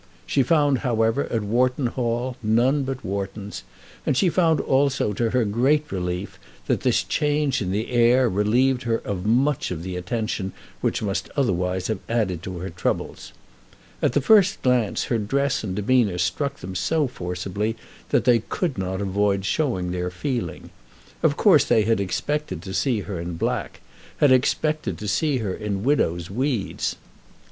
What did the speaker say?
She found, however, at Wharton Hall none but Whartons, and she found also to her great relief that this change in the heir relieved her of much of the attention which must otherwise have added to her troubles. At the first glance her dress and demeanour struck them so forcibly that they could not avoid showing their feeling. Of course they had expected to see her in black, had expected to see her in widow's weeds.